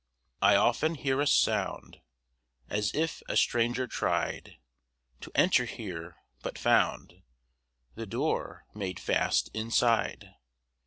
I often hear a sound As if a stranger tried To enter here, but found The door made fast inside.